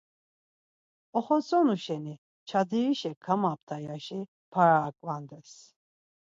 Oxotzonu şeni çadirişe kamapta ya-şi para aǩvandes.